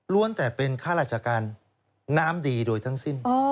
แต่เป็นข้าราชการน้ำดีโดยทั้งสิ้น